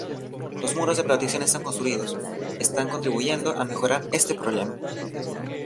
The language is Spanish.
Los muros de protección construidos, están contribuyendo a mejorar este problema.